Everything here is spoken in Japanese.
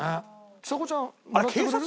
ちさ子ちゃんもらってくれる？